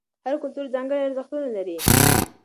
هر کلتور ځانګړي ارزښتونه لري.